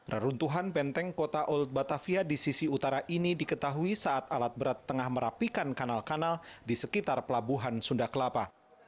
reruntuhan benteng kota old batavia di sisi utara ini diketahui saat alat berat tengah merapikan kanal kanal di sekitar pelabuhan sunda kelapa